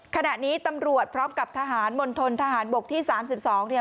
ขณะนี้ตำรวจพร้อมกับทหารมณฑนทหารบกที่๓๒เนี่ย